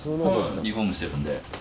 リフォームしてるんで。